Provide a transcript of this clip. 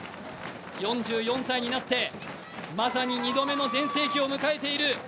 ４４歳になって、まさに２度目の全盛期を迎えている。